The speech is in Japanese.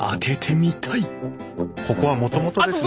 ここはもともとですね。